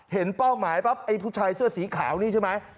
เห็นเป้าหมายป่ะพวกเชื้อสีขาวนี่ใช่ไหม